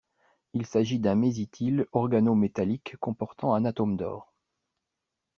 Il s'agit d'un mésityle organométallique comportant un atome d'or.